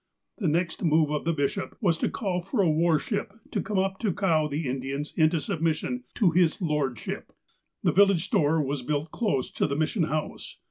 '' The next move of the bishop was to call for a war ship to come up to cow the Indians into submission to ''His Lordship." The village store was built close to the Mission House.